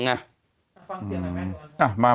ฟังเสียงหน่อยแม่ง